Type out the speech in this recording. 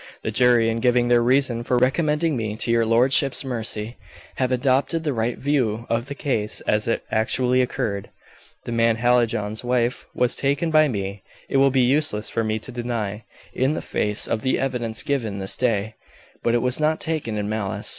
The jury, in giving their reason for recommending me to your lordship's mercy, have adopted the right view of the case as it actually occurred. The man Hallijohn's life was taken by me, it will be useless for me to deny, in the face of the evidence given this day, but it was not taken in malice.